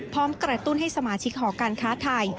พร้อมกระตุ้นให้สมาชิกหอการค้าไทย